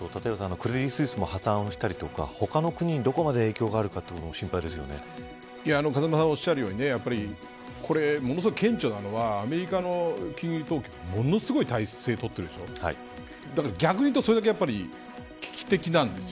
クレディ・スイスも破綻したり他の国に、どこまで風間さんがおっしゃるようにものすごく顕著なのはアメリカの金融当局がものすごい体制をとってるでしょだから逆に言うとそれだけ危機的なんですよ。